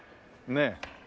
ねえ。